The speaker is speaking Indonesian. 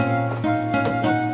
tasik tasik tasik